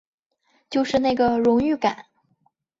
就是那个荣誉感